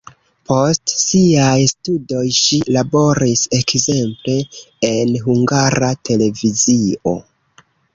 Post siaj studoj ŝi laboris ekzemple en Hungara Televizio.